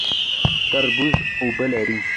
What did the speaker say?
تربوز اوبه لري